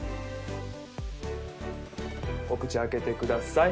お口開けてください。